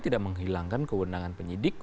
tidak menghilangkan kewenangan penyidik